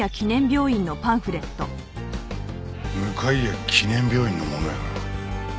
向谷記念病院のものやな。